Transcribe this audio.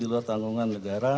di luar tanggungan negara